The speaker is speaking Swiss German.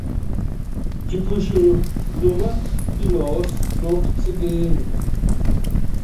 Dü brüsch jo nùmme de Nààs nooch ze gehn.